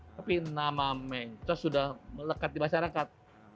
tapi nama mencos sudah melekat di masyarakat